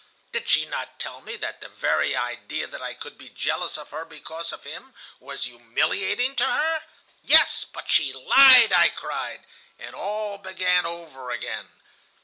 Did she not tell me that the very idea that I could be jealous of her because of him was humiliating to her?' 'Yes, but she lied,' I cried, and all began over again.